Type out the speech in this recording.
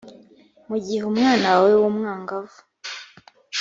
mu gihe umwana wawe w’umwangavu